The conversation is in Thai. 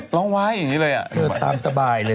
ร้องไห้อย่างนี้เลยเธอตามสบายเลย